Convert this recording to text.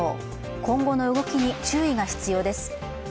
今後の動きに注意が必要です。